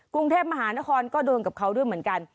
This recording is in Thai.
กรุงเทพมหานครก็โดนกับเขาด้วยเหมือนกัน